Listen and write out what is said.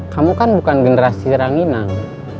kamu kan bukan generasi ranginan